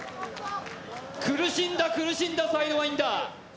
苦しんだ苦しんだサイドワインダー。